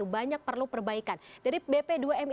banyak perlu perbaikan dari bp dua mi